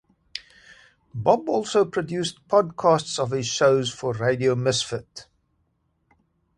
Bob also produced podcasts of his shows for Radio Misfit.